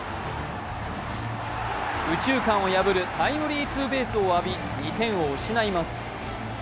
右中間を破るタイムリーツーベースを浴び２点を失います。